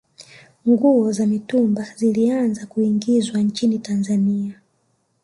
nguo za mitumba zilianza kuingizwa nchini tanzania